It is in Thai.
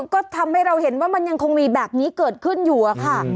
ก็ทำให้เราเห็นว่ามันยังคงมีแบบนี้เกิดขึ้นอยู่อะค่ะ